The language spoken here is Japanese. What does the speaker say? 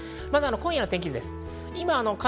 今夜の天気図です。